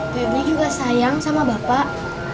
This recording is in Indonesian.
pbb juga sayang sama bapak